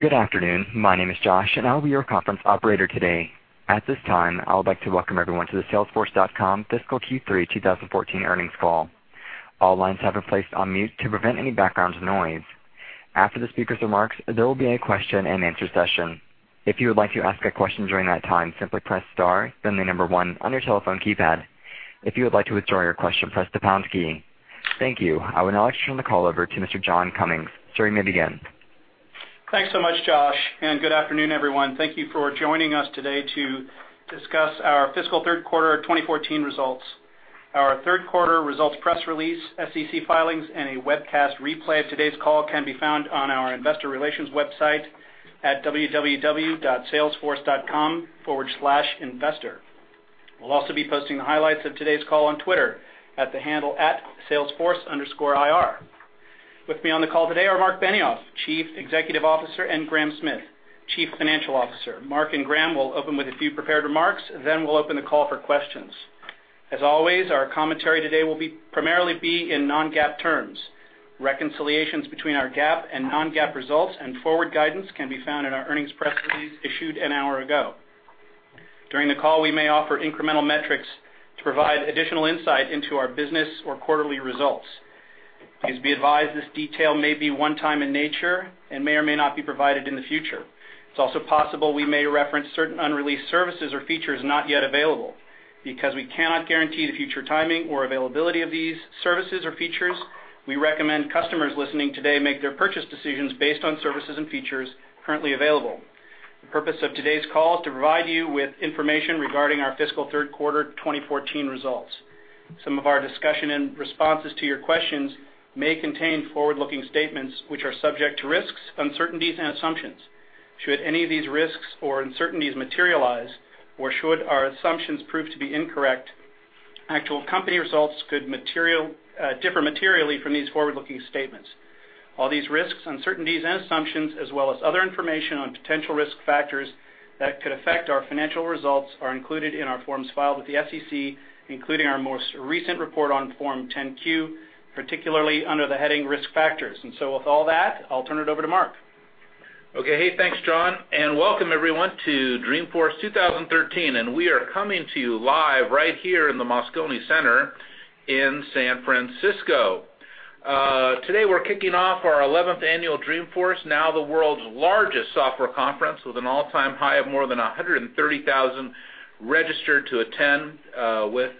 Good afternoon. My name is Josh, and I will be your conference operator today. At this time, I would like to welcome everyone to the salesforce.com fiscal Q3 2014 earnings call. All lines have been placed on mute to prevent any background noise. After the speaker's remarks, there will be a question and answer session. If you would like to ask a question during that time, simply press star then the number one on your telephone keypad. If you would like to withdraw your question, press the pound key. Thank you. I would now like to turn the call over to Mr. John Cummings. Sir, you may begin. Thanks so much, Josh. Good afternoon, everyone. Thank you for joining us today to discuss our fiscal third quarter 2014 results. Our third quarter results press release, SEC filings, and a webcast replay of today's call can be found on our investor relations website at www.salesforce.com/investor. We'll also be posting the highlights of today's call on Twitter at the handle @salesforce_IR. With me on the call today are Marc Benioff, Chief Executive Officer, and Graham Smith, Chief Financial Officer. Marc and Graham will open with a few prepared remarks. We'll open the call for questions. As always, our commentary today will primarily be in non-GAAP terms. Reconciliations between our GAAP and non-GAAP results and forward guidance can be found in our earnings press release issued an hour ago. During the call, we may offer incremental metrics to provide additional insight into our business or quarterly results. Please be advised this detail may be one time in nature and may or may not be provided in the future. It's also possible we may reference certain unreleased services or features not yet available. Because we cannot guarantee the future timing or availability of these services or features, we recommend customers listening today make their purchase decisions based on services and features currently available. The purpose of today's call is to provide you with information regarding our fiscal third quarter 2014 results. Some of our discussion and responses to your questions may contain forward-looking statements which are subject to risks, uncertainties, and assumptions. Should any of these risks or uncertainties materialize, or should our assumptions prove to be incorrect, actual company results could differ materially from these forward-looking statements. All these risks, uncertainties, and assumptions, as well as other information on potential risk factors that could affect our financial results, are included in our forms filed with the SEC, including our most recent report on Form 10-Q, particularly under the heading Risk Factors. With all that, I'll turn it over to Marc. Okay. Hey, thanks, John. Welcome everyone to Dreamforce 2013. We are coming to you live right here in the Moscone Center in San Francisco. Today, we're kicking off our 11th annual Dreamforce, now the world's largest software conference, with an all-time high of more than 130,000 registered to attend, with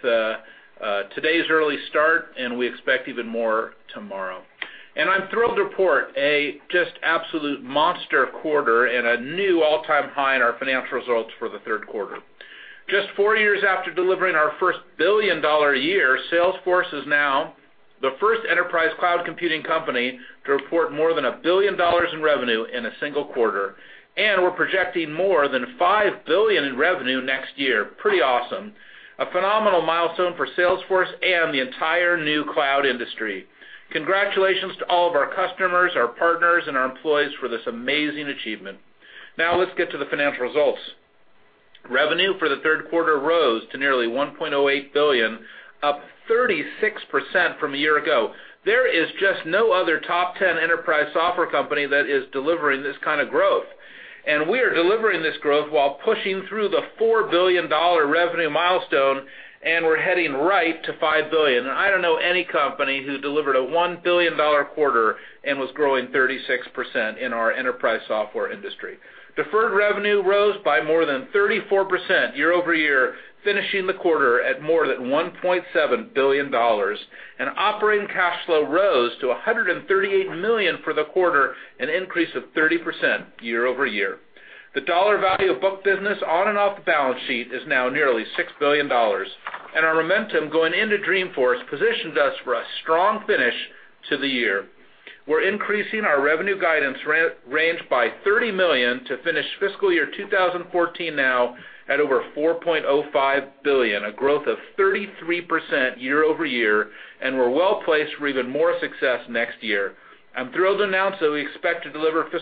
today's early start. We expect even more tomorrow. I'm thrilled to report a just absolute monster quarter and a new all-time high in our financial results for the third quarter. Just four years after delivering our first billion-dollar year, Salesforce is now the first enterprise cloud computing company to report more than $1 billion in revenue in a single quarter. We're projecting more than $5 billion in revenue next year. Pretty awesome. A phenomenal milestone for Salesforce and the entire new cloud industry. Congratulations to all of our customers, our partners, and our employees for this amazing achievement. Let's get to the financial results. Revenue for the third quarter rose to nearly $1.08 billion, up 36% from a year ago. There is just no other top 10 enterprise software company that is delivering this kind of growth. We are delivering this growth while pushing through the $4 billion revenue milestone. We're heading right to $5 billion. I don't know any company who delivered a $1 billion quarter and was growing 36% in our enterprise software industry. Deferred revenue rose by more than 34% year-over-year, finishing the quarter at more than $1.7 billion. Operating cash flow rose to $138 million for the quarter, an increase of 30% year-over-year. The dollar value of book business on and off the balance sheet is now nearly $6 billion. Our momentum going into Dreamforce positions us for a strong finish to the year. We're increasing our revenue guidance range by $30 million to finish FY 2014 now at over $4.05 billion, a growth of 33% year-over-year. We're well-placed for even more success next year. I'm thrilled to announce that we expect to deliver FY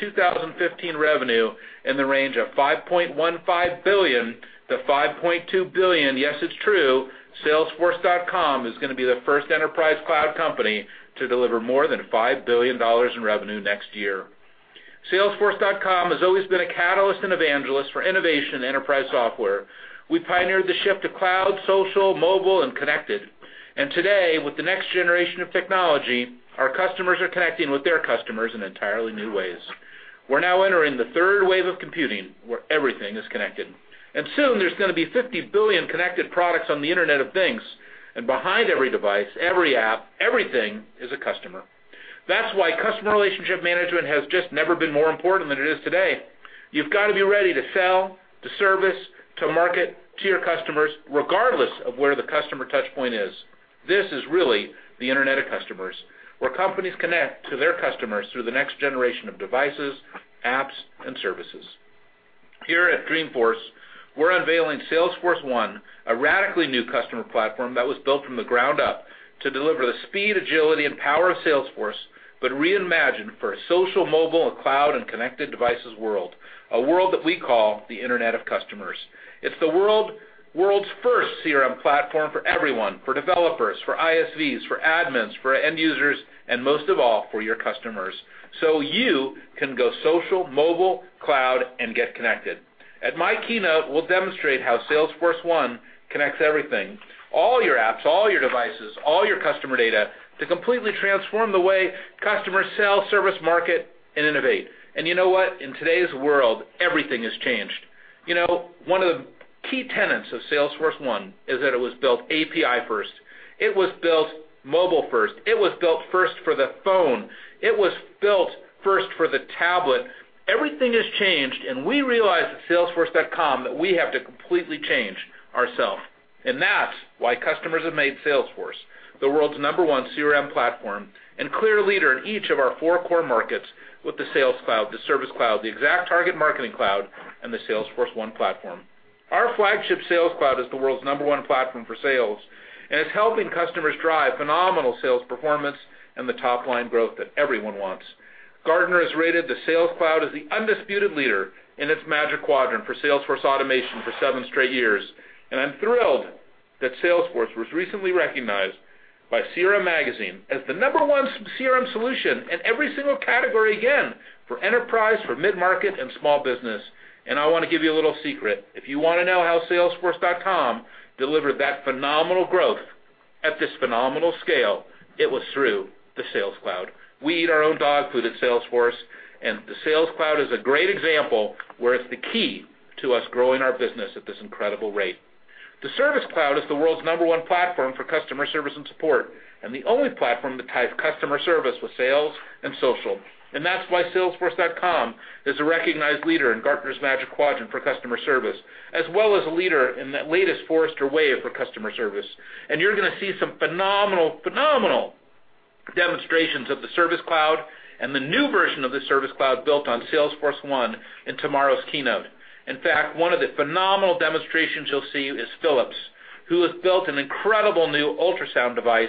2015 revenue in the range of $5.15 billion-$5.2 billion. Yes, it's true, salesforce.com is going to be the first enterprise cloud company to deliver more than $5 billion in revenue next year. salesforce.com has always been a catalyst and evangelist for innovation enterprise software. We pioneered the shift to cloud, social, mobile, and connected. Today, with the next generation of technology, our customers are connecting with their customers in entirely new ways. We're now entering the third wave of computing, where everything is connected. Soon there's going to be 50 billion connected products on the Internet of Things. Behind every device, every app, everything is a customer. That's why customer relationship management has just never been more important than it is today. You've got to be ready to sell, to service, to market to your customers, regardless of where the customer touchpoint is. This is really the Internet of Customers, where companies connect to their customers through the next generation of devices, apps, and services. Here at Dreamforce, we're unveiling Salesforce1, a radically new customer platform that was built from the ground up to deliver the speed, agility, and power of Salesforce reimagined for a social, mobile, and cloud, connected devices world. A world that we call the Internet of Customers. It's the world's first CRM platform for everyone, for developers, for ISVs, for admins, for end users, and most of all, for your customers, so you can go social, mobile, cloud, and get connected. At my keynote, we'll demonstrate how Salesforce1 connects everything, all your apps, all your devices, all your customer data, to completely transform the way customers sell, service, market, and innovate. You know what? In today's world, everything has changed. One of the key tenets of Salesforce1 is that it was built API first. It was built mobile first. It was built first for the phone. It was built first for the tablet. Everything has changed, we realize at salesforce.com that we have to completely change ourselves. That's why customers have made Salesforce the world's number 1 CRM platform and clear leader in each of our four core markets with the Sales Cloud, the Service Cloud, the ExactTarget Marketing Cloud, and the Salesforce1 Platform. Our flagship Sales Cloud is the world's number 1 platform for sales, and it's helping customers drive phenomenal sales performance and the top-line growth that everyone wants. Gartner has rated the Sales Cloud as the undisputed leader in its Magic Quadrant for Salesforce automation for seven straight years. I'm thrilled that Salesforce was recently recognized by CRM Magazine as the number 1 CRM solution in every single category, again, for enterprise, for mid-market, and small business. I want to give you a little secret. If you want to know how salesforce.com delivered that phenomenal growth at this phenomenal scale, it was through the Sales Cloud. We eat our own dog food at Salesforce, and the Sales Cloud is a great example where it's the key to us growing our business at this incredible rate. The Service Cloud is the world's number 1 platform for customer service and support, and the only platform that ties customer service with sales and social. That's why salesforce.com is a recognized leader in Gartner's Magic Quadrant for customer service, as well as a leader in the latest Forrester Wave for customer service. You're going to see some phenomenal demonstrations of the Service Cloud and the new version of the Service Cloud built on Salesforce1 in tomorrow's keynote. In fact, one of the phenomenal demonstrations you'll see is Philips, who has built an incredible new ultrasound device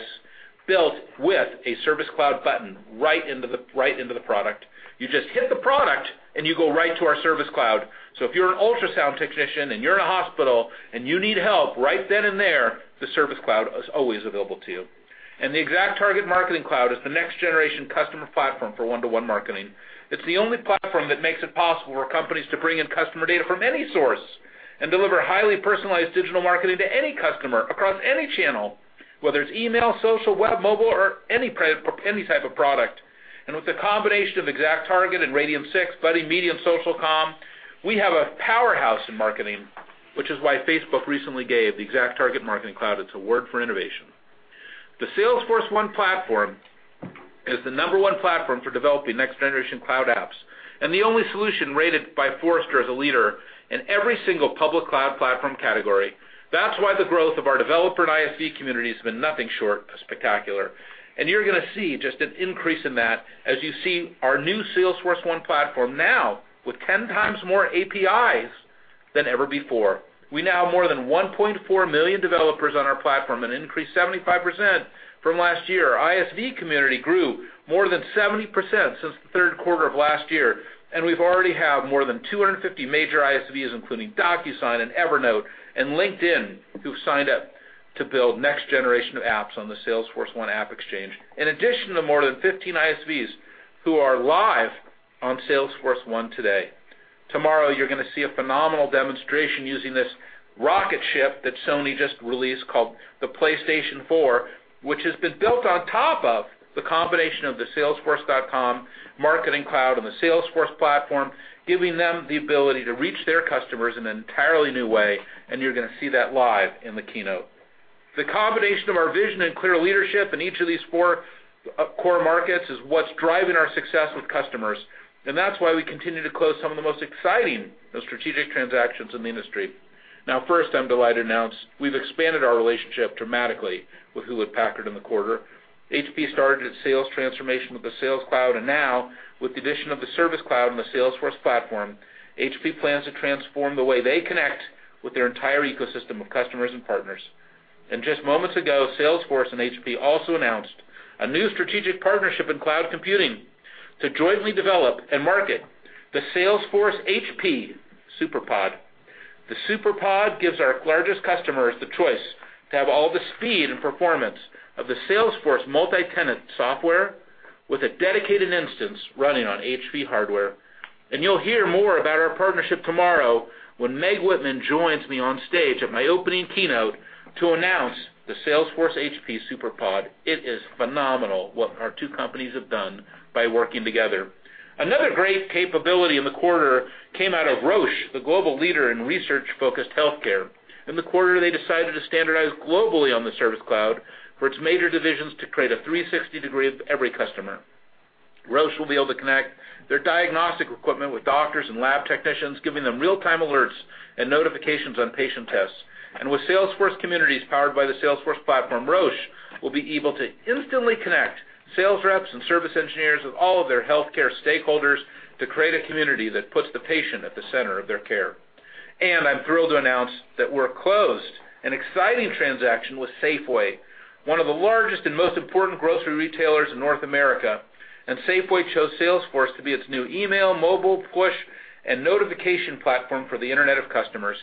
built with a Service Cloud button right into the product. You just hit the product, you go right to our Service Cloud. If you're an ultrasound technician and you're in a hospital and you need help right then and there, the Service Cloud is always available to you. The ExactTarget Marketing Cloud is the next-generation customer platform for one-to-one marketing. It's the only platform that makes it possible for companies to bring in customer data from any source and deliver highly personalized digital marketing to any customer across any channel, whether it's email, social, web, mobile, or any type of product. With the combination of ExactTarget and Radian6, Buddy Media, Social.com, we have a powerhouse in marketing, which is why Facebook recently gave the ExactTarget Marketing Cloud its award for innovation. The Salesforce1 Platform is the number one platform for developing next-generation cloud apps and the only solution rated by Forrester as a leader in every single public cloud platform category. That's why the growth of our developer and ISV community has been nothing short of spectacular. You're going to see just an increase in that as you see our new Salesforce1 Platform now with 10 times more APIs than ever before. We now have more than 1.4 million developers on our platform, an increase 75% from last year. Our ISV community grew more than 70% since the 3rd quarter of last year, and we already have more than 250 major ISVs, including DocuSign and Evernote, and LinkedIn, who signed up to build next-generation apps on the Salesforce1 AppExchange. In addition to more than 15 ISVs who are live on Salesforce1 today. Tomorrow, you're going to see a phenomenal demonstration using this rocket ship that Sony just released, called the PlayStation 4, which has been built on top of the combination of the Salesforce Marketing Cloud and the Salesforce Platform, giving them the ability to reach their customers in an entirely new way, and you're going to see that live in the keynote. The combination of our vision and clear leadership in each of these four core markets is what's driving our success with customers, and that's why we continue to close some of the most exciting and strategic transactions in the industry. Now, first, I'm delighted to announce we've expanded our relationship dramatically with Hewlett-Packard in the quarter. HP started its sales transformation with the Sales Cloud, and now, with the addition of the Service Cloud and the Salesforce Platform, HP plans to transform the way they connect with their entire ecosystem of customers and partners. Just moments ago, Salesforce and HP also announced a new strategic partnership in cloud computing to jointly develop and market the Salesforce HP Superpod. The Superpod gives our largest customers the choice to have all the speed and performance of the Salesforce multi-tenant software with a dedicated instance running on HP hardware. You'll hear more about our partnership tomorrow when Meg Whitman joins me on stage at my opening keynote to announce the Salesforce HP Superpod. It is phenomenal what our two companies have done by working together. Another great capability in the quarter came out of Roche, the global leader in research-focused healthcare. In the quarter, they decided to standardize globally on the Service Cloud for its major divisions to create a 360 degree of every customer. Roche will be able to connect their diagnostic equipment with doctors and lab technicians, giving them real-time alerts and notifications on patient tests. With Salesforce Community Cloud powered by the Salesforce Platform, Roche will be able to instantly connect sales reps and service engineers with all of their healthcare stakeholders to create a community that puts the patient at the center of their care. I'm thrilled to announce that we're closed. An exciting transaction with Safeway, one of the largest and most important grocery retailers in North America. Safeway chose Salesforce to be its new email, mobile, push, and notification platform for the Internet of Customers.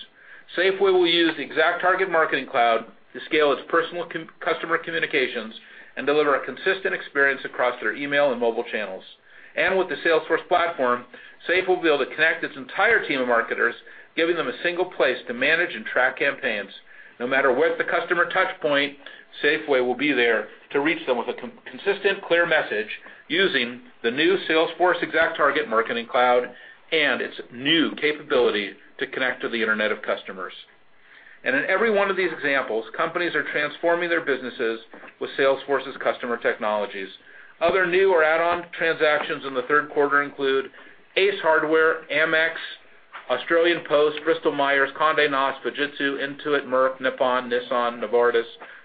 Safeway will use the ExactTarget Marketing Cloud to scale its personal customer communications and deliver a consistent experience across their email and mobile channels. With the Salesforce Platform, Safeway will be able to connect its entire team of marketers, giving them a single place to manage and track campaigns. No matter what the customer touchpoint, Safeway will be there to reach them with a consistent, clear message using the new Salesforce ExactTarget Marketing Cloud and its new capability to connect to the Internet of Customers. In every one of these examples, companies are transforming their businesses with Salesforce's customer technologies. Other new or add-on transactions in the third quarter include Ace Hardware, Amex, Australia Post, Bristol Myers, Condé Nast, Fujitsu, Intuit, Merck, Nippon, Nissan, Novartis,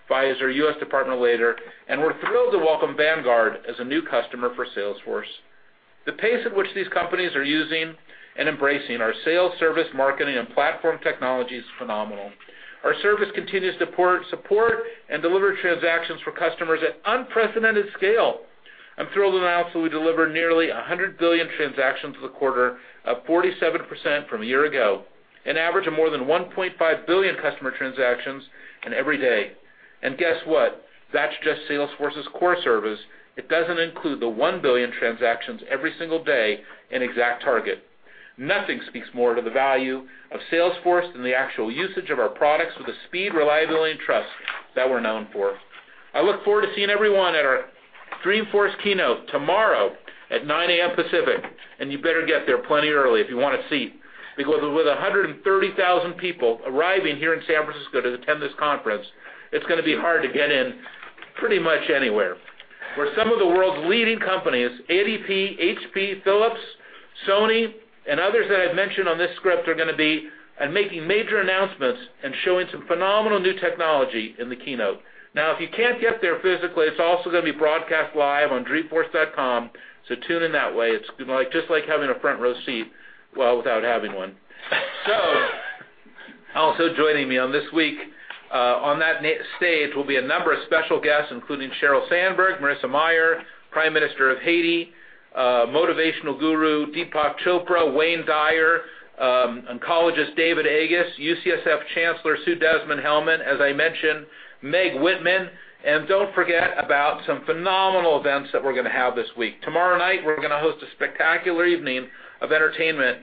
Pfizer, U.S. Department of Labor, and we're thrilled to welcome Vanguard as a new customer for Salesforce. The pace at which these companies are using and embracing our sales, service, marketing, and platform technology is phenomenal. Our service continues to support and deliver transactions for customers at unprecedented scale. I'm thrilled to announce that we delivered nearly 100 billion transactions for the quarter, up 47% from a year ago, an average of more than 1.5 billion customer transactions in every day. Guess what? That's just Salesforce's core service. It doesn't include the 1 billion transactions every single day in ExactTarget. Nothing speaks more to the value of Salesforce than the actual usage of our products with the speed, reliability, and trust that we're known for. I look forward to seeing everyone at our Dreamforce keynote tomorrow at 9:00 A.M. Pacific, you better get there plenty early if you want a seat, because with 130,000 people arriving here in San Francisco to attend this conference, it's going to be hard to get in pretty much anywhere. Where some of the world's leading companies, ADP, HP, Philips, Sony, and others that I've mentioned on this script, are going to be making major announcements and showing some phenomenal new technology in the keynote. If you can't get there physically, it's also going to be broadcast live on dreamforce.com, so tune in that way. It's just like having a front-row seat, well, without having one. Also joining me on this week on that stage will be a number of special guests, including Sheryl Sandberg, Marissa Mayer, Prime Minister of Haiti, motivational guru Deepak Chopra, Wayne Dyer, oncologist David Agus, UCSF Chancellor Sue Desmond-Hellmann, as I mentioned, Meg Whitman. Don't forget about some phenomenal events that we're going to have this week. Tomorrow night, we're going to host a spectacular evening of entertainment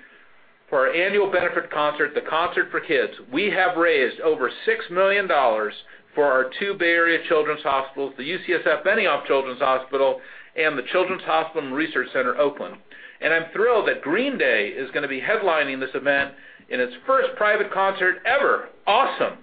for our annual benefit concert, The Concert for Kids. We have raised over $6 million for our two Bay Area children's hospitals, the UCSF Benioff Children's Hospital and the Children's Hospital & Research Center Oakland. I'm thrilled that Green Day is going to be headlining this event in its first private concert ever. Awesome.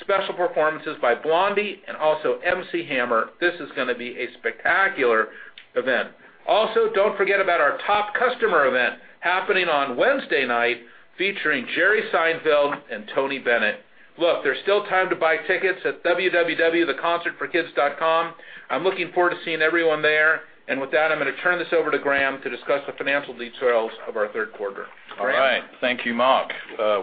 Special performances by Blondie and also MC Hammer. This is going to be a spectacular event. Also, don't forget about our top customer event happening on Wednesday night featuring Jerry Seinfeld and Tony Bennett. Look, there's still time to buy tickets at theconcertforkids.com. I'm looking forward to seeing everyone there. I'm going to turn this over to Graham to discuss the financial details of our third quarter. Graham? All right. Thank you, Marc.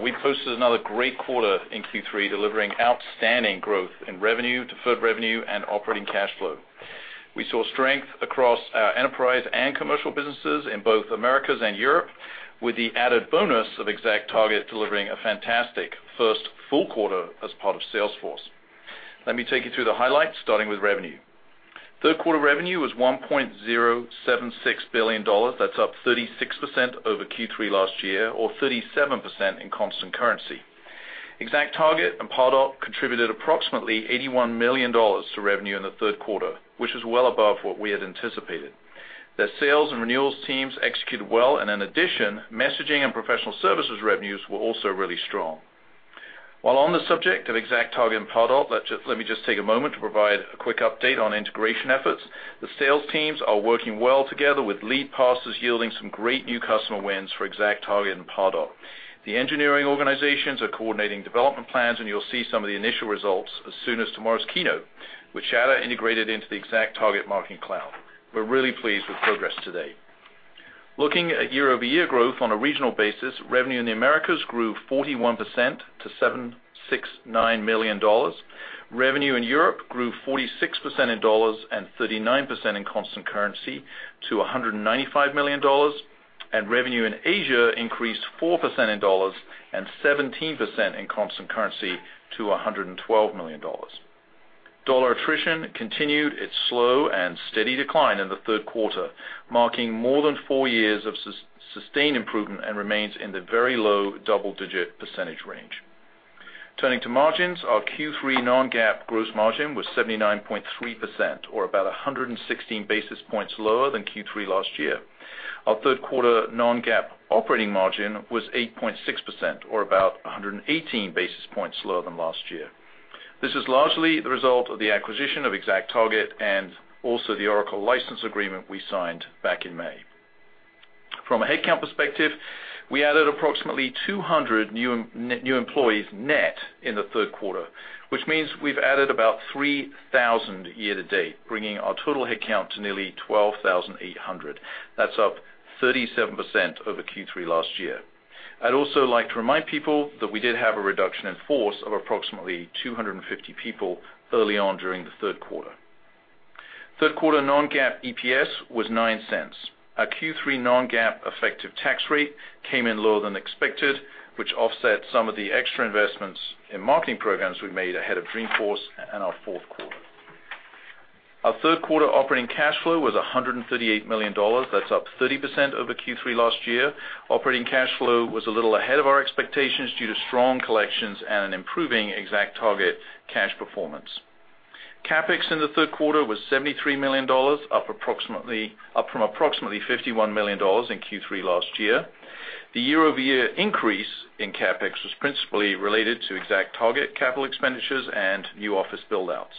We posted another great quarter in Q3, delivering outstanding growth in revenue, deferred revenue, and operating cash flow. We saw strength across our enterprise and commercial businesses in both Americas and Europe, with the added bonus of ExactTarget delivering a fantastic first full quarter as part of Salesforce. Let me take you through the highlights, starting with revenue. Third quarter revenue was $1.076 billion. That's up 36% over Q3 last year, or 37% in constant currency. ExactTarget and Pardot contributed approximately $81 million to revenue in the third quarter, which is well above what we had anticipated. The sales and renewals teams executed well, in addition, messaging and professional services revenues were also really strong. While on the subject of ExactTarget and Pardot, let me just take a moment to provide a quick update on integration efforts. The sales teams are working well together with lead passes yielding some great new customer wins for ExactTarget and Pardot. The engineering organizations are coordinating development plans, and you'll see some of the initial results as soon as tomorrow's keynote, with Shout integrated into the ExactTarget Marketing Cloud. We're really pleased with progress to date. Looking at year-over-year growth on a regional basis, revenue in the Americas grew 41% to $769 million. Revenue in Europe grew 46% in dollars and 39% in constant currency to $195 million, and revenue in Asia increased 4% in dollars and 17% in constant currency to $112 million. Dollar attrition continued its slow and steady decline in the third quarter, marking more than four years of sustained improvement and remains in the very low double-digit percentage range. Turning to margins, our Q3 non-GAAP gross margin was 79.3%, or about 116 basis points lower than Q3 last year. Our third quarter non-GAAP operating margin was 8.6%, or about 118 basis points lower than last year. This is largely the result of the acquisition of ExactTarget and also the Oracle license agreement we signed back in May. From a headcount perspective, we added approximately 200 new employees net in the third quarter, which means we've added about 3,000 year to date, bringing our total headcount to nearly 12,800. That's up 37% over Q3 last year. I'd also like to remind people that we did have a reduction in force of approximately 250 people early on during the third quarter. Third quarter non-GAAP EPS was $0.09. Our Q3 non-GAAP effective tax rate came in lower than expected, which offset some of the extra investments in marketing programs we made ahead of Dreamforce and our fourth quarter. Our third quarter operating cash flow was $138 million. That's up 30% over Q3 last year. Operating cash flow was a little ahead of our expectations due to strong collections and an improving ExactTarget cash performance. CapEx in the third quarter was $73 million, up from approximately $51 million in Q3 last year. The year-over-year increase in CapEx was principally related to ExactTarget capital expenditures and new office build-outs.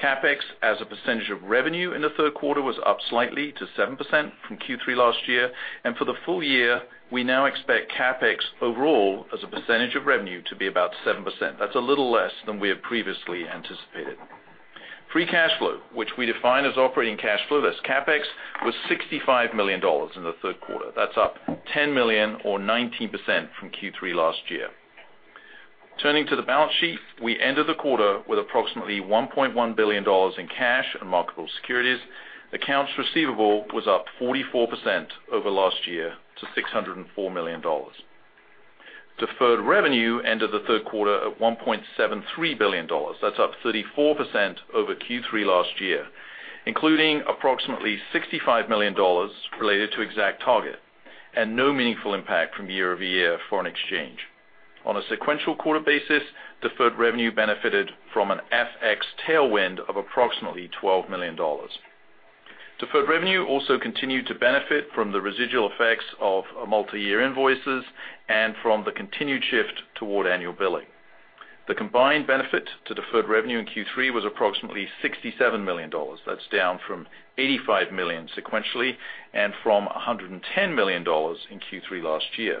CapEx as a percentage of revenue in the third quarter was up slightly to 7% from Q3 last year. For the full year, we now expect CapEx overall as a percentage of revenue to be about 7%. That's a little less than we had previously anticipated. Free cash flow, which we define as operating cash flow, less CapEx, was $65 million in the third quarter. That's up $10 million or 19% from Q3 last year. Turning to the balance sheet, we ended the quarter with approximately $1.1 billion in cash and marketable securities. Accounts receivable was up 44% over last year to $604 million. Deferred revenue ended the third quarter at $1.73 billion. That's up 34% over Q3 last year, including approximately $65 million related to ExactTarget and no meaningful impact from year-over-year foreign exchange. On a sequential quarter basis, deferred revenue benefited from an FX tailwind of approximately $12 million. Deferred revenue also continued to benefit from the residual effects of multi-year invoices and from the continued shift toward annual billing. The combined benefit to deferred revenue in Q3 was approximately $67 million. That's down from $85 million sequentially and from $110 million in Q3 last year.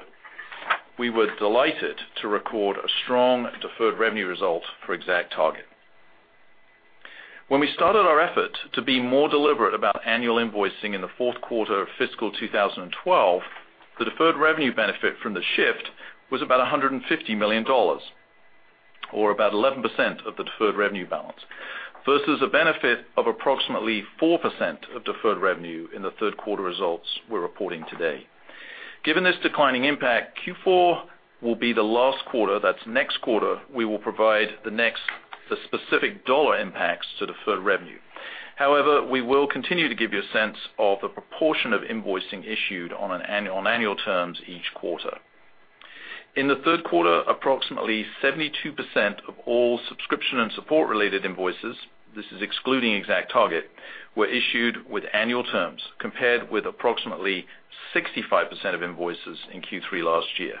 We were delighted to record a strong deferred revenue result for ExactTarget. When we started our effort to be more deliberate about annual invoicing in the fourth quarter of fiscal 2012, the deferred revenue benefit from the shift was about $150 million, or about 11% of the deferred revenue balance. Versus a benefit of approximately 4% of deferred revenue in the third quarter results we're reporting today. Given this declining impact, Q4 will be the last quarter, that's next quarter, we will provide the specific dollar impacts to deferred revenue. However, we will continue to give you a sense of the proportion of invoicing issued on annual terms each quarter. In the third quarter, approximately 72% of all subscription and support-related invoices, this is excluding ExactTarget, were issued with annual terms, compared with approximately 65% of invoices in Q3 last year.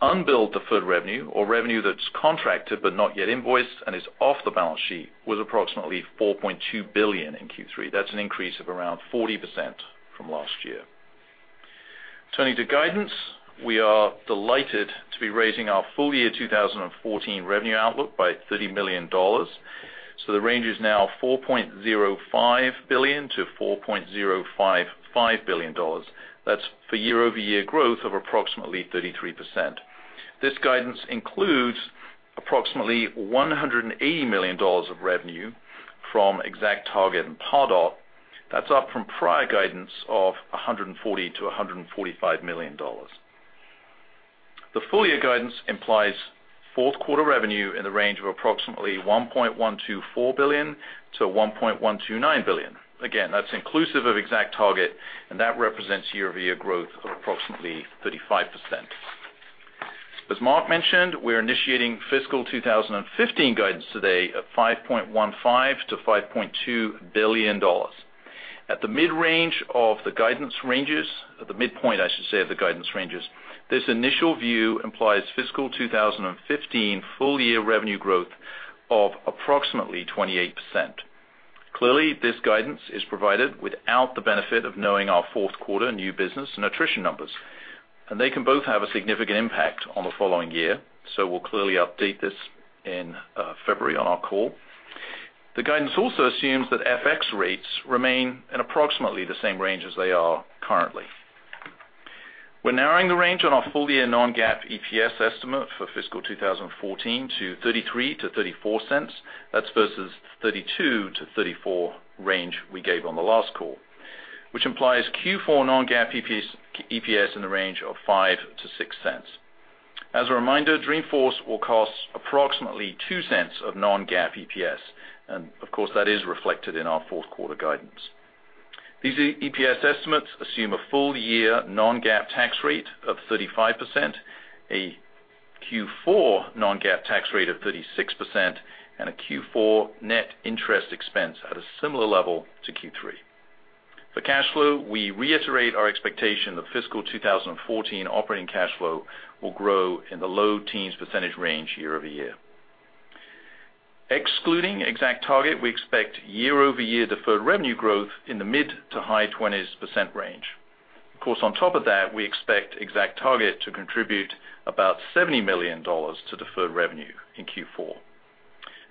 Unbilled deferred revenue or revenue that's contracted but not yet invoiced and is off the balance sheet was approximately $4.2 billion in Q3. That's an increase of around 40% from last year. Turning to guidance, we are delighted to be raising our full-year 2014 revenue outlook by $30 million. The range is now $4.05 billion-$4.055 billion. That's for year-over-year growth of approximately 33%. This guidance includes approximately $180 million of revenue from ExactTarget and Pardot. That's up from prior guidance of $140 million-$145 million. The full-year guidance implies fourth quarter revenue in the range of approximately $1.124 billion-$1.129 billion. Again, that's inclusive of ExactTarget, and that represents year-over-year growth of approximately 35%. As Marc mentioned, we're initiating fiscal 2015 guidance today at $5.15 billion-$5.2 billion. At the mid-range of the guidance ranges, at the midpoint, I should say, of the guidance ranges, this initial view implies fiscal 2015 full-year revenue growth of approximately 28%. Clearly, this guidance is provided without the benefit of knowing our fourth quarter new business and attrition numbers, and they can both have a significant impact on the following year. We'll clearly update this in February on our call. The guidance also assumes that FX rates remain in approximately the same range as they are currently. We're narrowing the range on our full-year non-GAAP EPS estimate for fiscal 2014 to $0.33-$0.34. That's versus $0.32-$0.34 range we gave on the last call, which implies Q4 non-GAAP EPS in the range of $0.05-$0.06. As a reminder, Dreamforce will cost approximately $0.02 of non-GAAP EPS. Of course, that is reflected in our fourth quarter guidance. These EPS estimates assume a full-year non-GAAP tax rate of 35%, a Q4 non-GAAP tax rate of 36%, and a Q4 net interest expense at a similar level to Q3. For cash flow, we reiterate our expectation that fiscal 2014 operating cash flow will grow in the low teens percentage range year-over-year. Excluding ExactTarget, we expect year-over-year deferred revenue growth in the mid to high 20s% range. Of course, on top of that, we expect ExactTarget to contribute about $70 million to deferred revenue in Q4.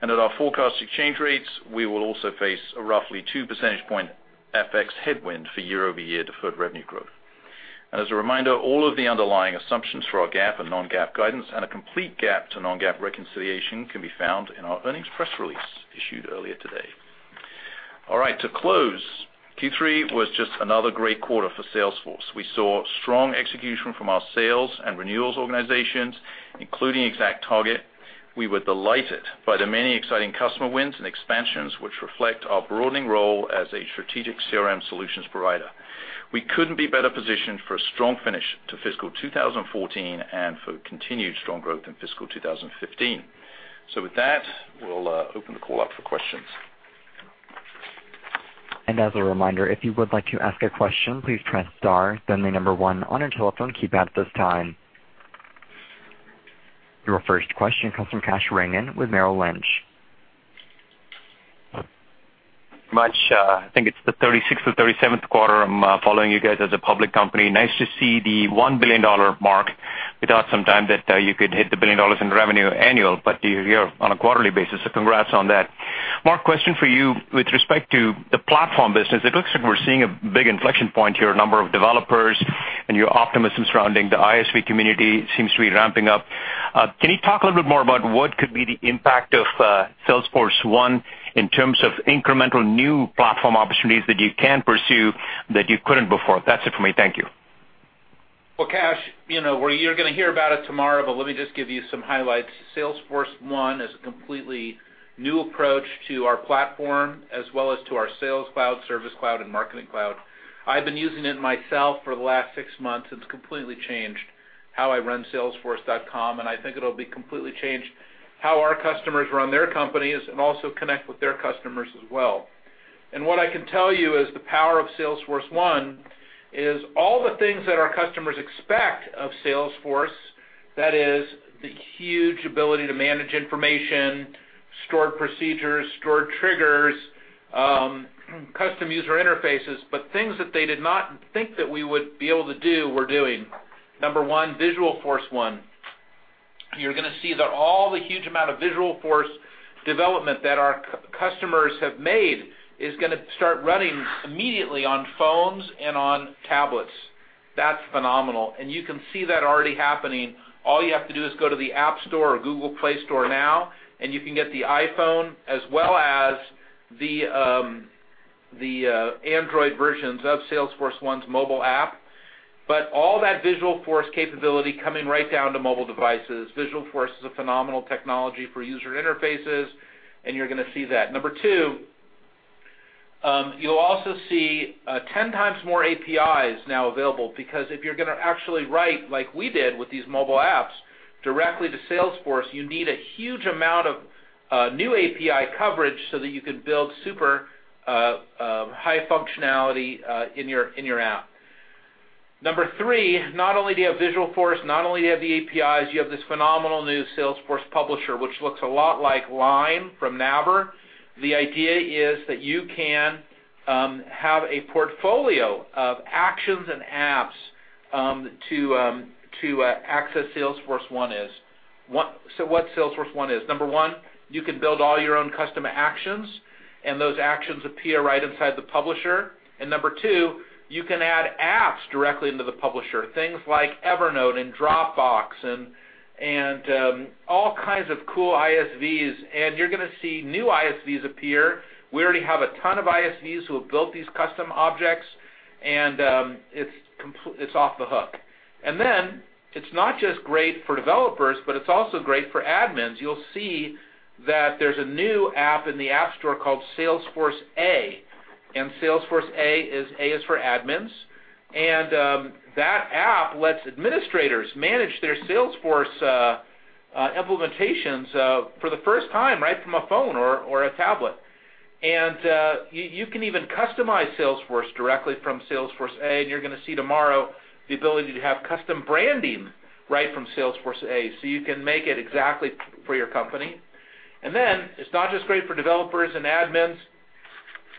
At our forecast exchange rates, we will also face a roughly two percentage point FX headwind for year-over-year deferred revenue growth. As a reminder, all of the underlying assumptions for our GAAP and non-GAAP guidance and a complete GAAP to non-GAAP reconciliation can be found in our earnings press release issued earlier today. All right. To close, Q3 was just another great quarter for Salesforce. We saw strong execution from our sales and renewals organizations, including ExactTarget. We were delighted by the many exciting customer wins and expansions, which reflect our broadening role as a strategic CRM solutions provider. We couldn't be better positioned for a strong finish to fiscal 2014 and for continued strong growth in fiscal 2015. With that, we'll open the call up for questions. As a reminder, if you would like to ask a question, please press star, then the number 1 on your telephone keypad at this time. Your first question comes from Kash Rangan with Merrill Lynch. Much. I think it's the 36th or 37th quarter I'm following you guys as a public company. Nice to see the $1 billion mark. We thought sometime that you could hit the $1 billion in revenue annual, but you're here on a quarterly basis, so congrats on that. Marc, question for you with respect to the platform business. It looks like we're seeing a big inflection point here, a number of developers, and your optimism surrounding the ISV community seems to be ramping up. Can you talk a little bit more about what could be the impact of Salesforce1 in terms of incremental new platform opportunities that you can pursue that you couldn't before? That's it for me. Thank you. Well, Kash, you're going to hear about it tomorrow, but let me just give you some highlights. Salesforce1 is a completely new approach to our platform as well as to our Sales Cloud, Service Cloud, and Marketing Cloud. I've been using it myself for the last six months. It's completely changed how I run salesforce.com, and I think it'll be completely changed how our customers run their companies and also connect with their customers as well. What I can tell you is the power of Salesforce1 is all the things that our customers expect of Salesforce. That is the huge ability to manage information, stored procedures, stored triggers, custom user interfaces, but things that they did not think that we would be able to do, we're doing. Number 1, Visualforce1. You're going to see that all the huge amount of Visualforce development that our customers have made is going to start running immediately on phones and on tablets. That's phenomenal, and you can see that already happening. All you have to do is go to the App Store or Google Play Store now, and you can get the iPhone as well as the Android versions of Salesforce1's mobile app. But all that Visualforce capability coming right down to mobile devices. Visualforce is a phenomenal technology for user interfaces, and you're going to see that. Number 2, you'll also see 10 times more APIs now available, because if you're going to actually write like we did with these mobile apps directly to Salesforce, you need a huge amount of new API coverage so that you can build super high functionality in your app. Number 3, not only do you have Visualforce, not only do you have the APIs, you have this phenomenal new Salesforce publisher, which looks a lot like LINE from Naver. The idea is that you can have a portfolio of actions and apps to access Salesforce1. So what Salesforce1 is. Number 1, you can build all your own custom actions, and those actions appear right inside the publisher, and Number 2, you can add apps directly into the publisher. Things like Evernote and Dropbox and all kinds of cool ISVs, and you're going to see new ISVs appear. We already have a ton of ISVs who have built these custom objects, and it's off the hook. It's not just great for developers, but it's also great for admins. You'll see that there's a new app in the App Store called Salesforce A. Salesforce A is, A is for admins. That app lets administrators manage their Salesforce implementations for the first time right from a phone or a tablet. You can even customize Salesforce directly from Salesforce A. You're going to see tomorrow the ability to have custom branding right from Salesforce A, so you can make it exactly for your company. Then it's not just great for developers and admins.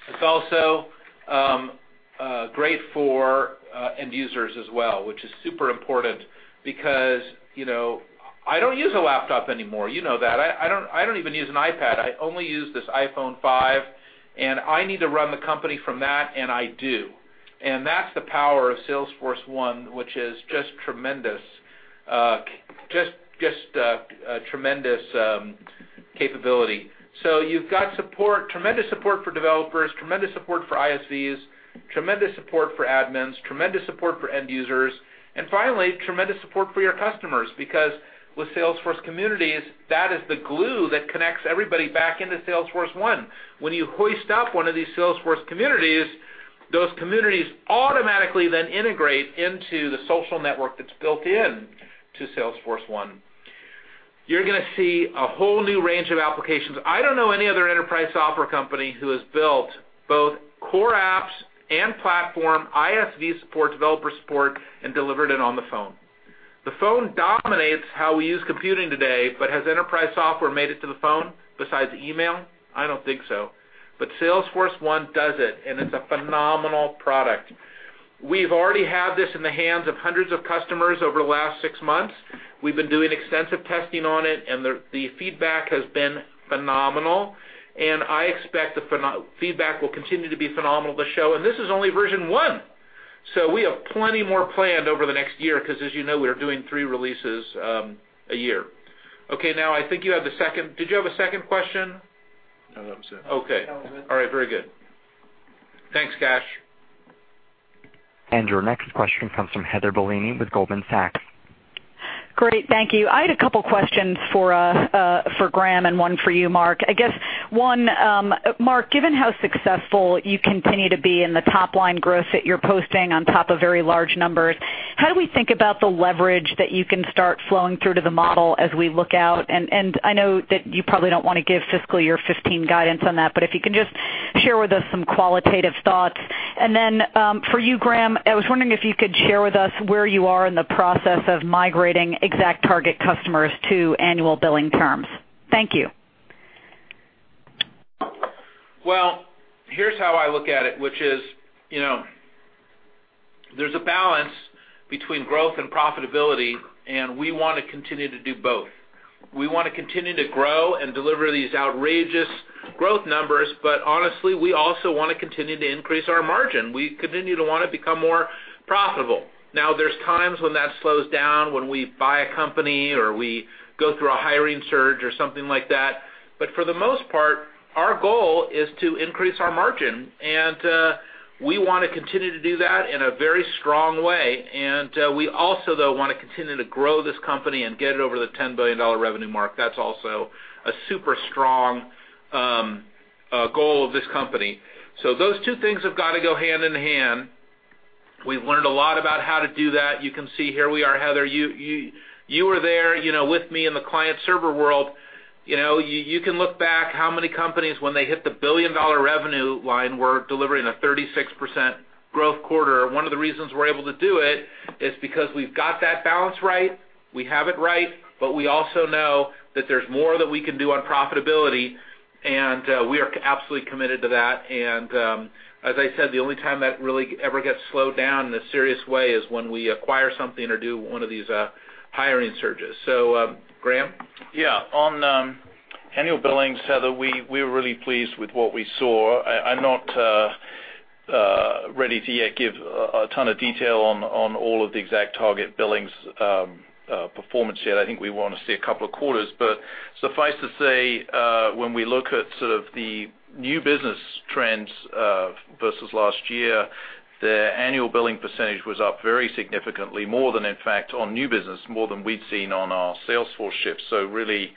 It's also great for end users as well, which is super important because I don't use a laptop anymore. You know that. I don't even use an iPad. I only use this iPhone 5, and I need to run the company from that, and I do. That's the power of Salesforce1, which is just tremendous capability. You've got tremendous support for developers, tremendous support for ISVs, tremendous support for admins, tremendous support for end users, and finally, tremendous support for your customers. With Salesforce Communities, that is the glue that connects everybody back into Salesforce1. You hoist up one of these Salesforce communities, those communities automatically then integrate into the social network that's built in to Salesforce1. You're going to see a whole new range of applications. I don't know any other enterprise software company who has built both core apps and platform ISV support, developer support and delivered it on the phone. The phone dominates how we use computing today, has enterprise software made it to the phone besides email? I don't think so, but Salesforce1 does it, and it's a phenomenal product. We've already had this in the hands of hundreds of customers over the last six months. We've been doing extensive testing on it, and the feedback has been phenomenal. I expect the feedback will continue to be phenomenal at the show, and this is only version one. We have plenty more planned over the next year because, as you know, we are doing three releases a year. Okay. Did you have a second question? No, that was it. Okay. That was it. All right, very good. Thanks, Kash. Your next question comes from Heather Bellini with Goldman Sachs. Great. Thank you. I had a couple questions for Graham and one for you, Marc. I guess one, Marc, given how successful you continue to be and the top-line growth that you're posting on top of very large numbers, how do we think about the leverage that you can start flowing through to the model as we look out? I know that you probably don't want to give FY 2015 guidance on that, but if you can just share with us some qualitative thoughts. Then for you, Graham, I was wondering if you could share with us where you are in the process of migrating ExactTarget customers to annual billing terms. Thank you. Here's how I look at it, there's a balance between growth and profitability. We want to continue to do both. We want to continue to grow and deliver these outrageous growth numbers. Honestly, we also want to continue to increase our margin. We continue to want to become more profitable. There's times when that slows down when we buy a company or we go through a hiring surge or something like that. For the most part, our goal is to increase our margin. We want to continue to do that in a very strong way. We also, though, want to continue to grow this company and get it over the $10 billion revenue mark. That's also a super strong goal of this company. Those two things have got to go hand-in-hand. We've learned a lot about how to do that. You can see here we are, Heather. You were there with me in the client server world. You can look back how many companies when they hit the billion-dollar revenue line were delivering a 36% growth quarter. One of the reasons we're able to do it is because we've got that balance right. We have it right. We also know that there's more that we can do on profitability. We are absolutely committed to that. As I said, the only time that really ever gets slowed down in a serious way is when we acquire something or do one of these hiring surges. Graham? On annual billings, Heather, we're really pleased with what we saw. I'm not ready to yet give a ton of detail on all of the ExactTarget billings performance yet. I think we want to see a couple of quarters. Suffice to say, when we look at sort of the new business trends versus last year, the annual billing percentage was up very significantly, more than, in fact, on new business, more than we'd seen on our Salesforce shift. Really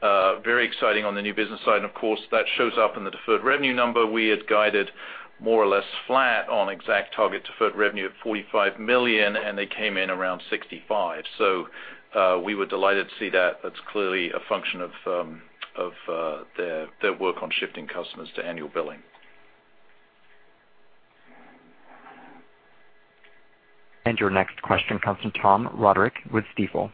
very exciting on the new business side. Of course, that shows up in the deferred revenue number. We had guided more or less flat on ExactTarget deferred revenue at $45 million. They came in around $65 million. We were delighted to see that. That's clearly a function of their work on shifting customers to annual billing. Your next question comes from Tom Roderick with Stifel.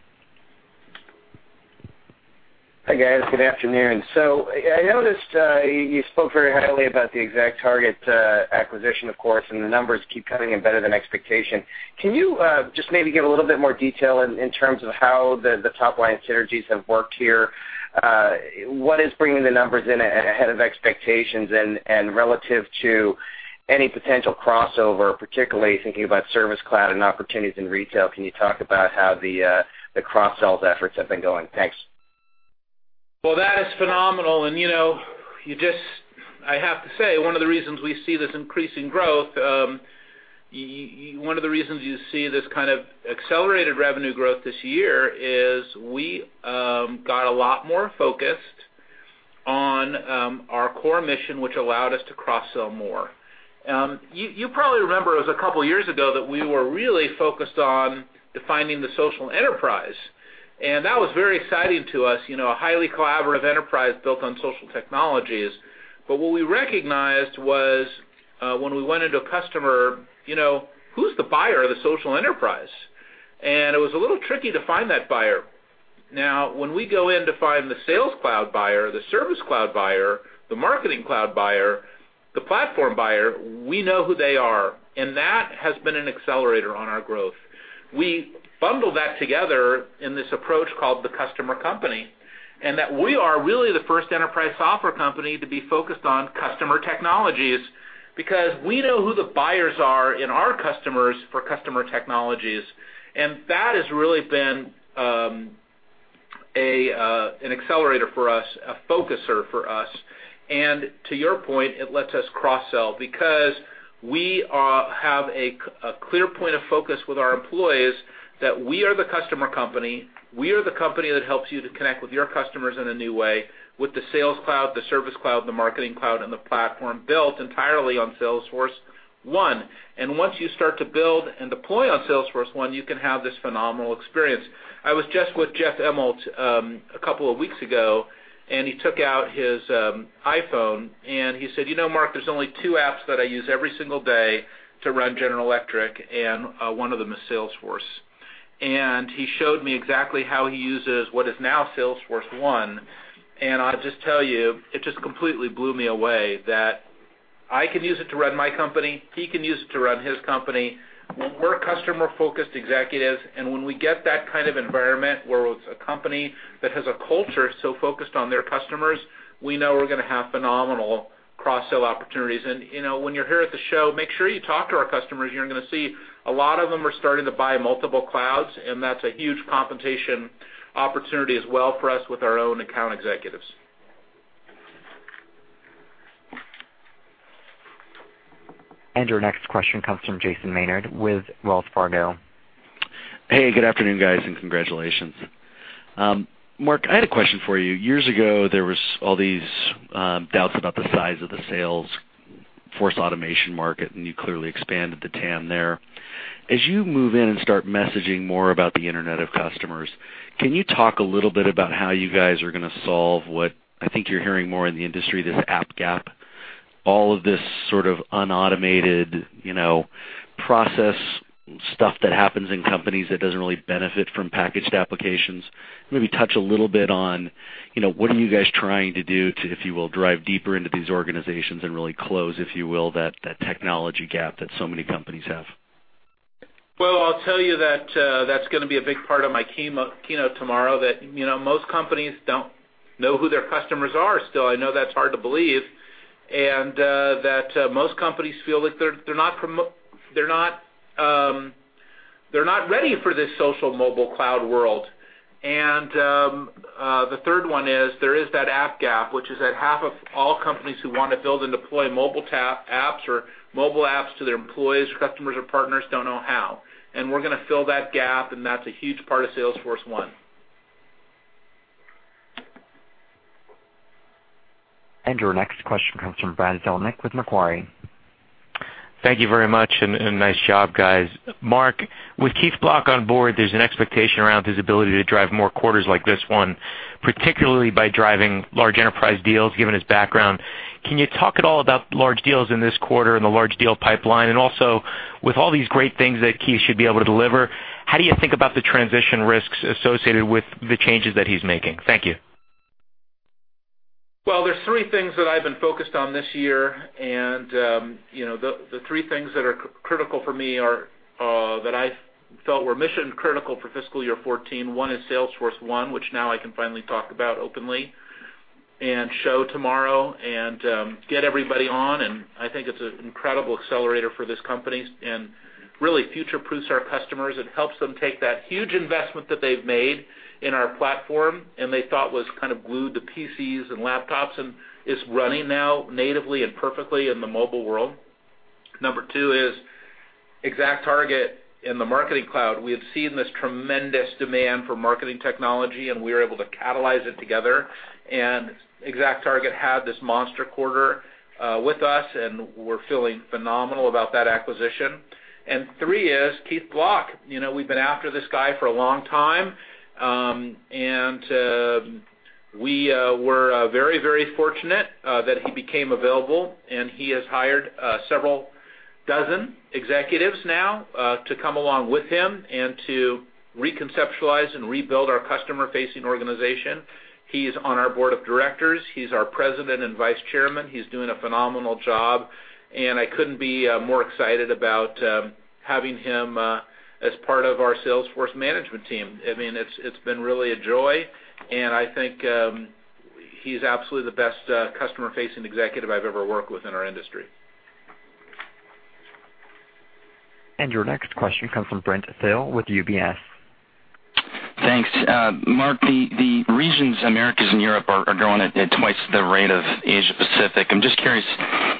Hi, guys. Good afternoon. I noticed you spoke very highly about the ExactTarget acquisition, of course, and the numbers keep coming in better than expectation. Can you just maybe give a little bit more detail in terms of how the top-line synergies have worked here? What is bringing the numbers in ahead of expectations and relative to any potential crossover, particularly thinking about Service Cloud and opportunities in retail? Can you talk about how the cross-sells efforts have been going? Thanks. That is phenomenal. I have to say, one of the reasons we see this increasing growth, one of the reasons you see this kind of accelerated revenue growth this year is we got a lot more focused on our core mission, which allowed us to cross-sell more. You probably remember, it was a couple of years ago that we were really focused on defining the social enterprise, and that was very exciting to us, a highly collaborative enterprise built on social technologies. What we recognized was, when we went into a customer, who's the buyer of the social enterprise? It was a little tricky to find that buyer. Now, when we go in to find the Sales Cloud buyer, the Service Cloud buyer, the Marketing Cloud buyer, the platform buyer, we know who they are, and that has been an accelerator on our growth. We bundle that together in this approach called the Customer Company, and that we are really the first enterprise software company to be focused on customer technologies because we know who the buyers are in our customers for customer technologies. That has really been an accelerator for us, a focuser for us. To your point, it lets us cross-sell because we have a clear point of focus with our employees that we are the Customer Company. We are the company that helps you to connect with your customers in a new way with the Sales Cloud, the Service Cloud, the Marketing Cloud, and the platform built entirely on Salesforce1. Once you start to build and deploy on Salesforce1, you can have this phenomenal experience. I was just with Jeff Immelt a couple of weeks ago, and he took out his iPhone, and he said, "You know, Marc, there's only two apps that I use every single day to run General Electric, and one of them is Salesforce." He showed me exactly how he uses what is now Salesforce1. I'll just tell you, it just completely blew me away that I can use it to run my company, he can use it to run his company. We're customer-focused executives, and when we get that kind of environment where it's a company that has a culture so focused on their customers, we know we're going to have phenomenal cross-sell opportunities. When you're here at the show, make sure you talk to our customers. You're going to see a lot of them are starting to buy multiple clouds, that's a huge compensation opportunity as well for us with our own account executives. Your next question comes from Jason Maynard with Wells Fargo. Hey, good afternoon, guys, congratulations. Marc, I had a question for you. Years ago, there was all these doubts about the size of the sales force automation market, you clearly expanded the TAM there. As you move in and start messaging more about the Internet of Customers, can you talk a little bit about how you guys are going to solve what I think you're hearing more in the industry, this app gap, all of this sort of unautomated process stuff that happens in companies that doesn't really benefit from packaged applications? Maybe touch a little bit on what are you guys trying to do to, if you will, drive deeper into these organizations and really close, if you will, that technology gap that so many companies have? Well, I'll tell you that's going to be a big part of my keynote tomorrow, that most companies don't know who their customers are still. I know that's hard to believe, that most companies feel that they're not ready for this social mobile cloud world. The third one is there is that app gap, which is that half of all companies who want to build and deploy mobile apps to their employees or customers or partners don't know how. We're going to fill that gap, that's a huge part of Salesforce1. Your next question comes from Brad Zelnick with Macquarie. Thank you very much, and nice job, guys. Marc, with Keith Block on board, there's an expectation around his ability to drive more quarters like this one, particularly by driving large enterprise deals, given his background. Can you talk at all about large deals in this quarter and the large deal pipeline? Also, with all these great things that Keith should be able to deliver, how do you think about the transition risks associated with the changes that he's making? Thank you. Well, there's three things that I've been focused on this year, and the three things that are critical for me are that I felt were mission-critical for FY 2014. One is Salesforce1, which now I can finally talk about openly and show tomorrow and get everybody on. I think it's an incredible accelerator for this company and really future-proofs our customers. It helps them take that huge investment that they've made in our platform, and they thought was kind of glued to PCs and laptops and is running now natively and perfectly in the mobile world. Number two is ExactTarget in the Marketing Cloud. We have seen this tremendous demand for marketing technology, and we are able to catalyze it together. ExactTarget had this monster quarter with us, and we're feeling phenomenal about that acquisition. Three is Keith Block. We've been after this guy for a long time. We were very fortunate that he became available, and he has hired several dozen executives now to come along with him and to re-conceptualize and rebuild our customer-facing organization. He's on our board of directors. He's our president and vice chairman. He's doing a phenomenal job, and I couldn't be more excited about having him as part of our Salesforce management team. It's been really a joy, and I think he's absolutely the best customer-facing executive I've ever worked with in our industry. Your next question comes from Brent Thill with UBS. Thanks. Marc, the regions Americas and Europe are growing at twice the rate of Asia-Pacific. I'm just curious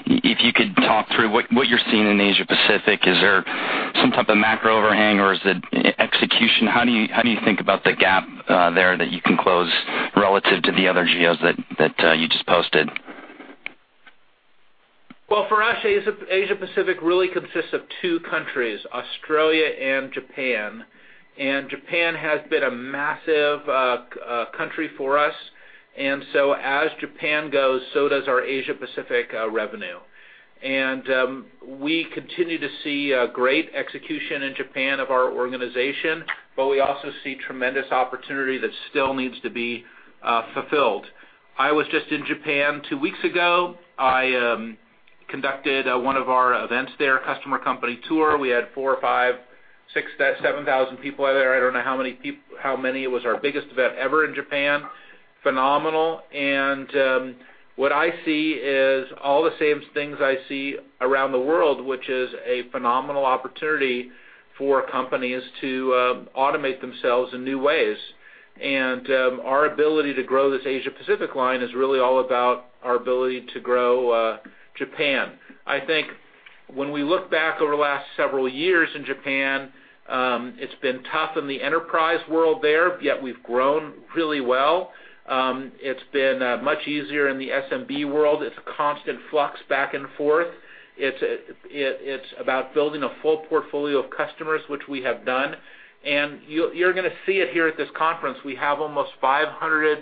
if you could talk through what you're seeing in Asia-Pacific. Is there some type of macro overhang or is it execution? How do you think about the gap there that you can close relative to the other geos that you just posted? For us, Asia-Pacific really consists of two countries, Australia and Japan has been a massive country for us. As Japan goes, so does our Asia-Pacific revenue. We continue to see great execution in Japan of our organization, but we also see tremendous opportunity that still needs to be fulfilled. I was just in Japan two weeks ago. I conducted one of our events there, customer company tour. We had 4,000 or 5,000, 6,000, 7,000 people out of there. I don't know how many. It was our biggest event ever in Japan. Phenomenal. What I see is all the same things I see around the world, which is a phenomenal opportunity for companies to automate themselves in new ways. Our ability to grow this Asia-Pacific line is really all about our ability to grow Japan. I think when we look back over the last several years in Japan, it's been tough in the enterprise world there, yet we've grown really well. It's been much easier in the SMB world. It's a constant flux back and forth. It's about building a full portfolio of customers, which we have done. You're going to see it here at this conference. We have almost 500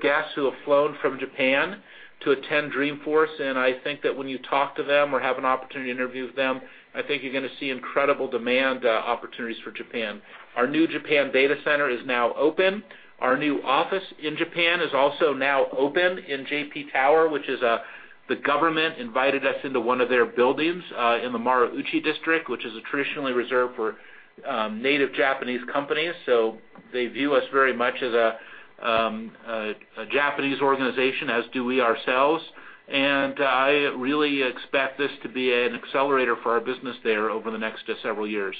guests who have flown from Japan to attend Dreamforce, I think that when you talk to them or have an opportunity to interview them, I think you're going to see incredible demand opportunities for Japan. Our new Japan data center is now open. Our new office in Japan is also now open in JP Tower, which is the government invited us into one of their buildings in the Marunouchi district, which is traditionally reserved for native Japanese companies. They view us very much as a Japanese organization, as do we ourselves. I really expect this to be an accelerator for our business there over the next several years.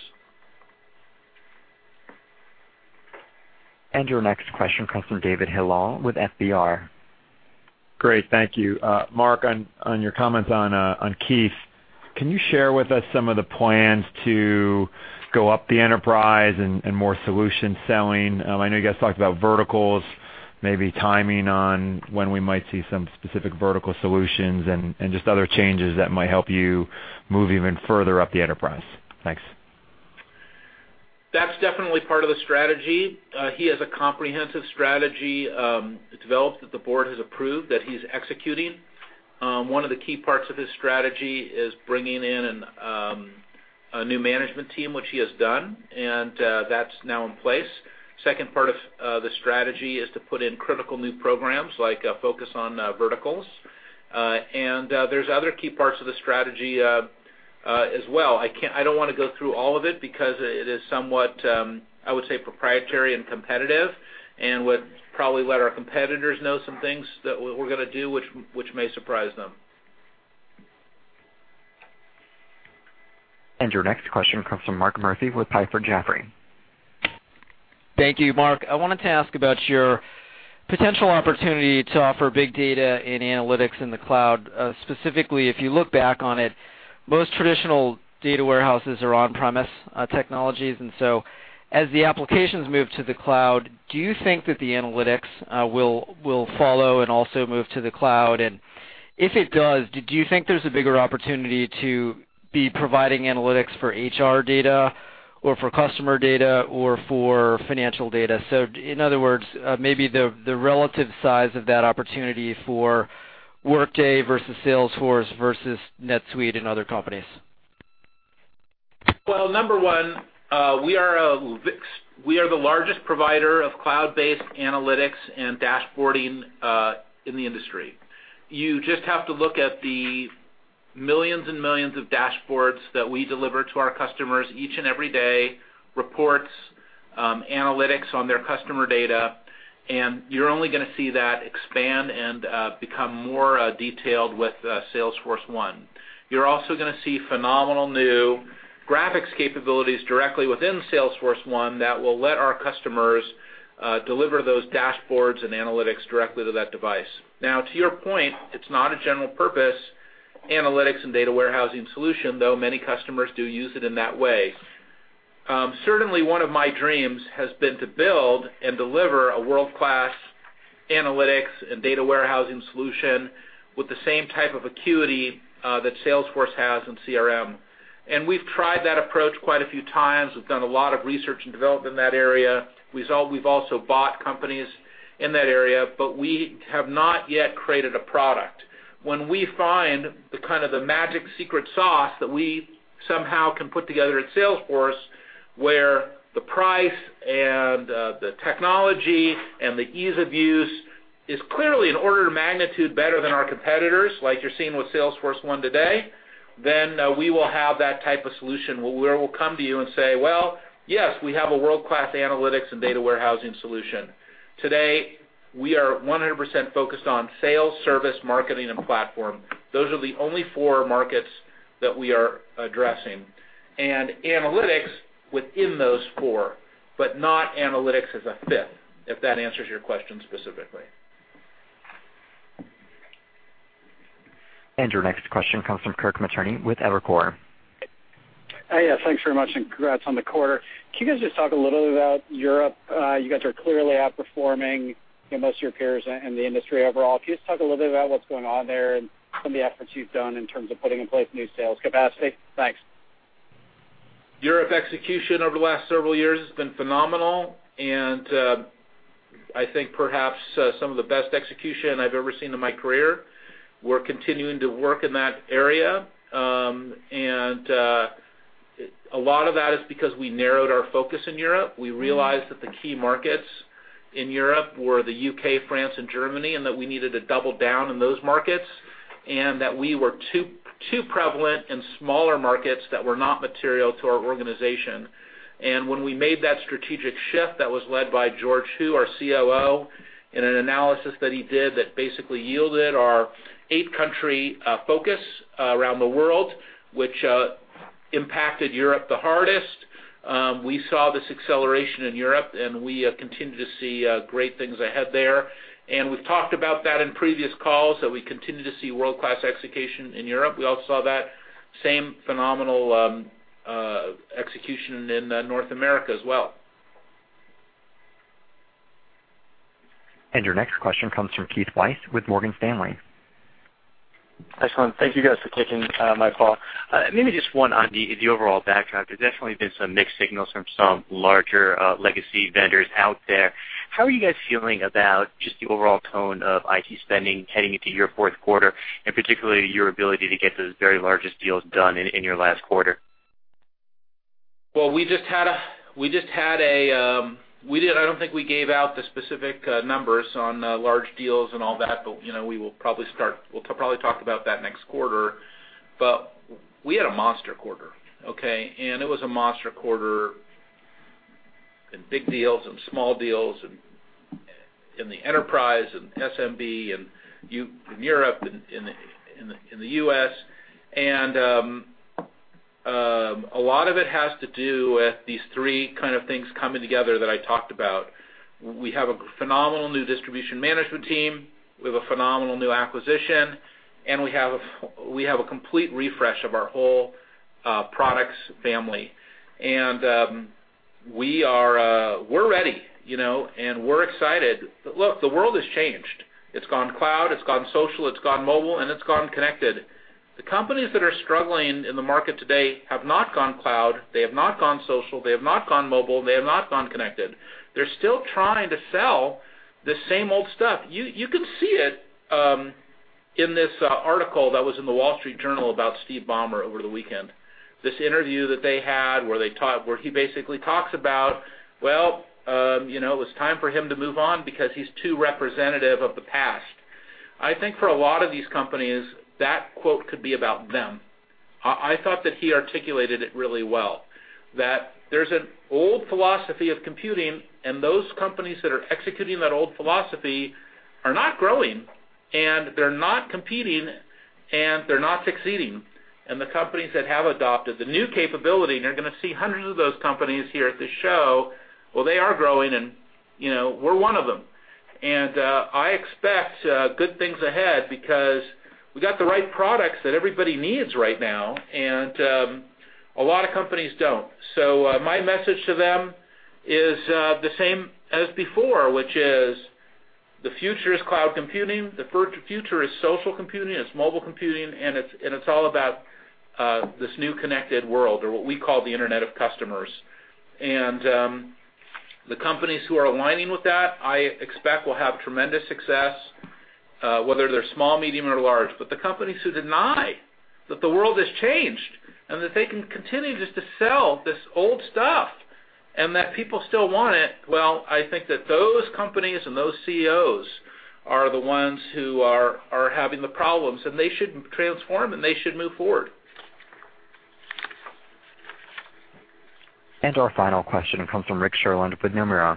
Your next question comes from David Hilal with FBR. Great. Thank you. Marc, on your comments on Keith, can you share with us some of the plans to go up the enterprise and more solution selling? I know you guys talked about verticals, maybe timing on when we might see some specific vertical solutions and just other changes that might help you move even further up the enterprise. Thanks. That's definitely part of the strategy. He has a comprehensive strategy developed, that the board has approved, that he's executing. One of the key parts of his strategy is bringing in a new management team, which he has done, and that's now in place. Second part of the strategy is to put in critical new programs, like a focus on verticals. There's other key parts of the strategy as well. I don't want to go through all of it because it is somewhat, I would say, proprietary and competitive, and would probably let our competitors know some things that we're going to do, which may surprise them. Your next question comes from Mark Murphy with Piper Jaffray. Thank you, Marc. I wanted to ask about your potential opportunity to offer big data and analytics in the cloud. Specifically, if you look back on it, most traditional data warehouses are on-premise technologies. As the applications move to the cloud, do you think that the analytics will follow and also move to the cloud? If it does, do you think there's a bigger opportunity to be providing analytics for HR data or for customer data or for financial data? In other words, maybe the relative size of that opportunity for Workday versus Salesforce versus NetSuite and other companies. Well, number 1, we are the largest provider of cloud-based analytics and dashboarding in the industry. You just have to look at the millions and millions of dashboards that we deliver to our customers each and every day, reports, analytics on their customer data, you're only going to see that expand and become more detailed with Salesforce1. You're also going to see phenomenal new graphics capabilities directly within Salesforce1 that will let our customers deliver those dashboards and analytics directly to that device. Now, to your point, it's not a general purpose analytics and data warehousing solution, though many customers do use it in that way. Certainly, one of my dreams has been to build and deliver a world-class analytics and data warehousing solution with the same type of acuity that Salesforce has in CRM. We've tried that approach quite a few times. We've done a lot of research and development in that area. We've also bought companies in that area, we have not yet created a product. When we find the magic secret sauce that we somehow can put together at Salesforce, where the price and the technology and the ease of use is clearly an order of magnitude better than our competitors, like you're seeing with Salesforce1 today, we will have that type of solution where we'll come to you and say, well, yes, we have a world-class analytics and data warehousing solution. Today, we are 100% focused on sales, service, marketing, and platform. Those are the only four markets that we are addressing. Analytics within those four, but not analytics as a fifth, if that answers your question specifically. Your next question comes from Kirk Materne with Evercore. Yes, thanks very much and congrats on the quarter. Can you guys just talk a little bit about Europe? You guys are clearly outperforming most of your peers and the industry overall. Can you just talk a little bit about what's going on there and some of the efforts you've done in terms of putting in place new sales capacity? Thanks. Europe execution over the last several years has been phenomenal, and I think perhaps some of the best execution I've ever seen in my career. We're continuing to work in that area, and a lot of that is because we narrowed our focus in Europe. We realized that the key markets in Europe were the U.K., France, and Germany, and that we needed to double down in those markets, and that we were too prevalent in smaller markets that were not material to our organization. When we made that strategic shift, that was led by George Hu, our COO, in an analysis that he did that basically yielded our eight-country focus around the world, which impacted Europe the hardest. We saw this acceleration in Europe, and we continue to see great things ahead there. We've talked about that in previous calls, that we continue to see world-class execution in Europe. We also saw that same phenomenal execution in North America as well. Your next question comes from Keith Weiss with Morgan Stanley. Excellent. Thank you guys for taking my call. Maybe just one on the overall backdrop. There's definitely been some mixed signals from some larger legacy vendors out there. How are you guys feeling about just the overall tone of IT spending heading into your fourth quarter, and particularly your ability to get those very largest deals done in your last quarter? I don't think we gave out the specific numbers on large deals and all that, we'll probably talk about that next quarter. We had a monster quarter. Okay? It was a monster quarter in big deals and small deals and in the enterprise and SMB and in Europe and in the U.S. A lot of it has to do with these three kind of things coming together that I talked about. We have a phenomenal new distribution management team, we have a phenomenal new acquisition, and we have a complete refresh of our whole products family. We're ready, and we're excited. Look, the world has changed. It's gone cloud, it's gone social, it's gone mobile, and it's gone connected. The companies that are struggling in the market today have not gone cloud, they have not gone social, they have not gone mobile, they have not gone connected. They're still trying to sell the same old stuff. You can see it in this article that was in The Wall Street Journal about Steve Ballmer over the weekend, this interview that they had where he basically talks about, it was time for him to move on because he's too representative of the past. I think for a lot of these companies, that quote could be about them. I thought that he articulated it really well, that there's an old philosophy of computing, and those companies that are executing that old philosophy are not growing, and they're not competing, and they're not succeeding. The companies that have adopted the new capability, you're going to see hundreds of those companies here at the show, well, they are growing, we're one of them. I expect good things ahead because we got the right products that everybody needs right now, a lot of companies don't. My message to them is the same as before, which is the future is cloud computing, the future is social computing, it's mobile computing, it's all about this new connected world, or what we call the Internet of Customers. The companies who are aligning with that, I expect will have tremendous success, whether they're small, medium, or large. The companies who deny that the world has changed and that they can continue just to sell this old stuff, and that people still want it, well, I think that those companies and those CEOs are the ones who are having the problems, they should transform, they should move forward. Our final question comes from Rick Sherlund with Nomura.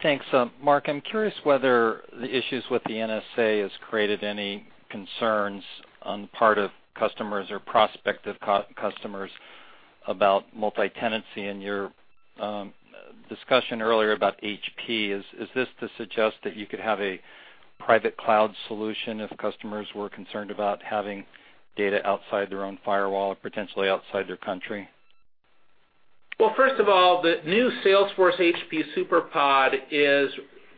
Thanks. Marc, I'm curious whether the issues with the NSA has created any concerns on the part of customers or prospective customers about multi-tenancy. In your discussion earlier about HP, is this to suggest that you could have a private cloud solution if customers were concerned about having data outside their own firewall or potentially outside their country? Well, first of all, the new Salesforce HP Superpod is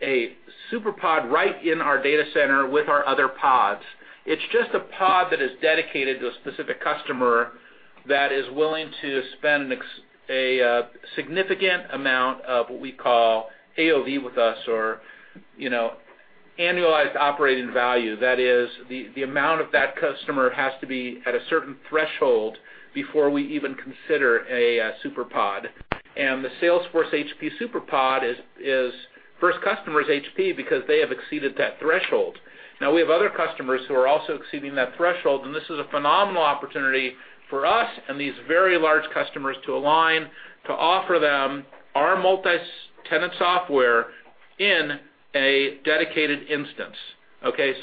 a superpod right in our data center with our other pods. It is just a pod that is dedicated to a specific customer that is willing to spend a significant amount of what we call AOV with us or annualized operating value. That is, the amount of that customer has to be at a certain threshold before we even consider a superpod. The Salesforce HP Superpod, its first customer is HP because they have exceeded that threshold. Now we have other customers who are also exceeding that threshold, and this is a phenomenal opportunity for us and these very large customers to align to offer them our multi-tenant software in a dedicated instance. Okay?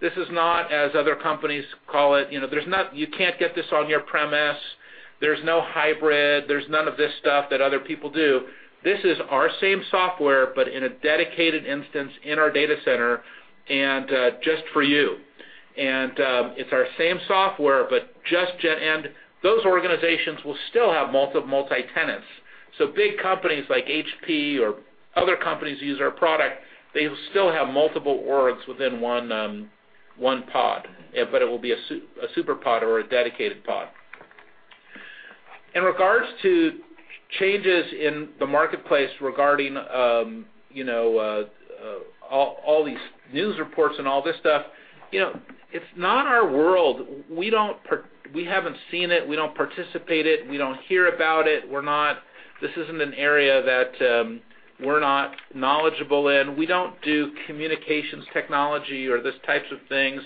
This is not as other companies call it. You can't get this on your premise. There is no hybrid. There's none of this stuff that other people do. This is our same software, but in a dedicated instance in our data center and just for you. It's our same software, but just jet end. Those organizations will still have multi-tenants. Big companies like HP or other companies who use our product, they still have multiple orgs within one pod, but it will be a superpod or a dedicated pod. In regards to changes in the marketplace regarding all these news reports and all this stuff, it's not our world. We haven't seen it. We don't participate it. We don't hear about it. This isn't an area that we're not knowledgeable in. We don't do communications technology or those types of things.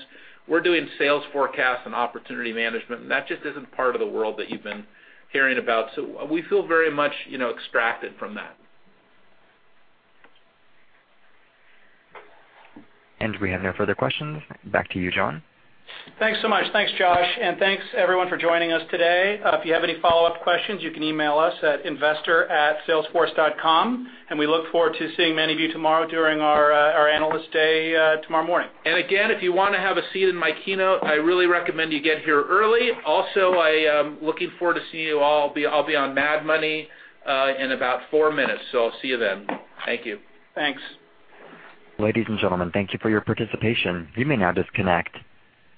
We're doing sales forecasts and opportunity management, that just isn't part of the world that you've been hearing about. We feel very much extracted from that. We have no further questions. Back to you, John. Thanks so much. Thanks, Josh, and thanks everyone for joining us today. If you have any follow-up questions, you can email us at investor@salesforce.com. We look forward to seeing many of you tomorrow during our Analyst Day tomorrow morning. Again, if you want to have a seat in my keynote, I really recommend you get here early. Also, I am looking forward to seeing you all. I'll be on Mad Money in about four minutes. I'll see you then. Thank you. Thanks. Ladies and gentlemen, thank you for your participation. You may now disconnect.